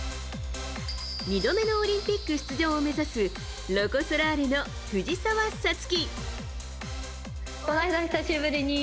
２度目のオリンピック出場を目指すロコ・ソラーレの藤澤五月。